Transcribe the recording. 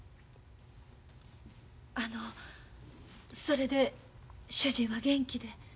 あのそれで主人は元気で？